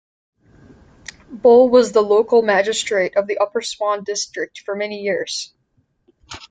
Bull was the local magistrate of the Upper Swan district for many years.